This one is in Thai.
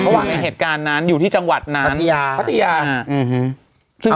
อ๋อเหรอเห็นเหตุการณ์นั้นอยู่ที่จังหวัดนั้นพัทยาพัทยาอื้อฮือ